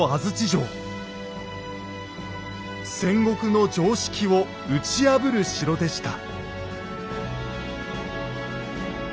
戦国の常識を打ち破る城でした。